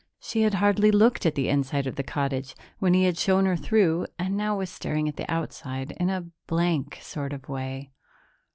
She had hardly looked at the inside of the cottage, when he had shown her through, and now was staring at the outside in a blank sort of way.